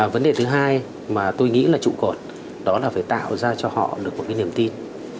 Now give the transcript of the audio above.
vấn đề thứ hai mà tôi nghĩ là trụ cột đó là phải tạo ra cho họ được một cái niềm tin